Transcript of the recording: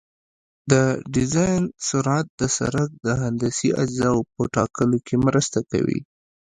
د ډیزاین سرعت د سرک د هندسي اجزاوو په ټاکلو کې مرسته کوي